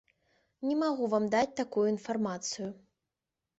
Не магу вам даць такую інфармацыю.